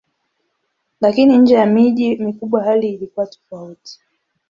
Lakini nje ya miji mikubwa hali ilikuwa tofauti.